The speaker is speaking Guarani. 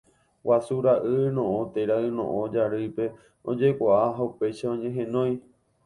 Guasu ra'y yno'õ térã Yno'õ jarýipe ojekuaa ha upéicha oñehenói.